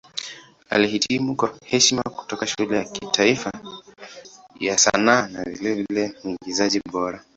Alihitimu kwa heshima kutoka Shule ya Kitaifa ya Sanaa na vilevile Mwigizaji Bora.